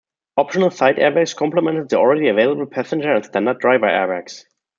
Optional side airbags complemented the already available passenger and standard driver airbags.